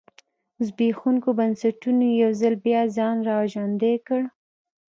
زبېښونکو بنسټونو یو ځل بیا ځان را ژوندی کړ.